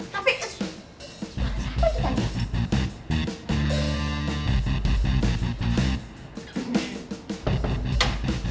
tapi suara siapa gitu aja